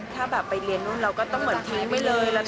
ถ้าแบบไปเรียนนู่นเราก็ต้องเหมือนทิ้งไปเลย